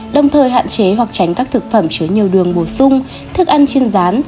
đồng thời hạn chế hoặc tránh các thực phẩm chứa nhiều đường bổ sung thức ăn trên rán